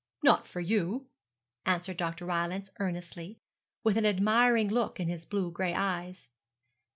'Not for you,' answered Dr. Rylance, earnestly, with an admiring look in his blue gray eyes.